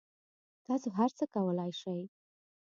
تاسو هر څه کولای شئ